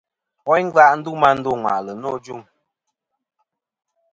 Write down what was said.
Woyn ngva ndu meyn a ndo ŋwà'lɨ nô ajuŋ.